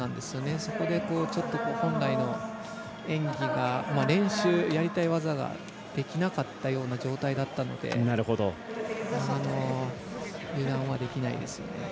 そこで、本来の演技が練習、やりたい技ができなかったような状態だったので油断はできないですね。